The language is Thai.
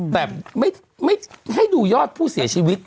แต่ไม่ให้ดูยอดผู้เสียชีวิต